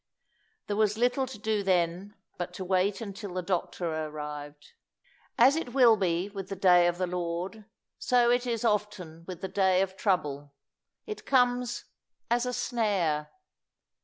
There was little to do then but to wait until the doctor arrived. As it will be with the day of the Lord, so it often is with the day of trouble. It comes "as a snare."